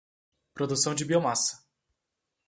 Produção de biomassa